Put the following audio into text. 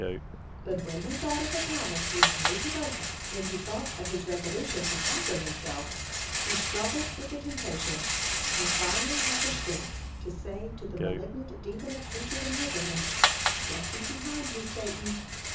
But when he thought of the promise he had made to Bertha, when he thought of his resolution to conquer himself, he struggled with the temptation, and finally had the strength to say to the malignant demon of hatred and revenge, "Get thee behind me, Satan."